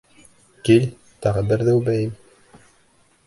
Кил, тағы берәйҙе үбәйем!